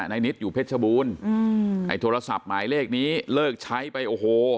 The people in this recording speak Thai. นิดอยู่เพชรบูรณ์อืมไอ้โทรศัพท์หมายเลขนี้เลิกใช้ไปโอ้โห